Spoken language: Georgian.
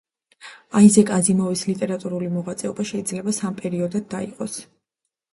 აიზეკ აზიმოვის ლიტერატურული მოღვაწეობა შეიძლება სამ პერიოდად დაიყოს.